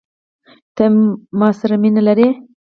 ته يې مو سره مينه لرې؟